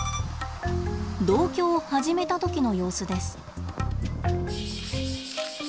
同居を始めた時の様子です。